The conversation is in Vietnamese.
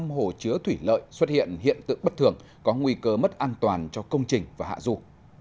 năm hồ chứa thủy lợi xuất hiện hiện tượng bất thường có nguy cơ mất an toàn cho công trình và hạ dụ